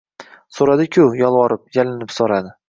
Soʻradi-ki, yolvorib, yalinib soʻradi.